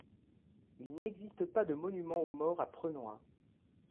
Il n'existe pas de monument aux morts à Prenois.